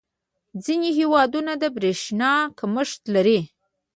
• ځینې هېوادونه د برېښنا کمښت لري.